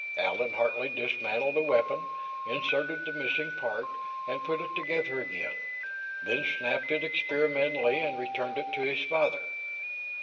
Allan Hartley dismantled the weapon, inserted the missing part, and put it together again, then snapped it experimentally and returned it to his father.